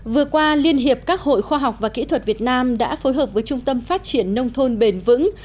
vừa qua liên hiệp các hội khoa học và kỹ thuật việt nam đã phối hợp với trung tâm phát triển nông thôn bền vững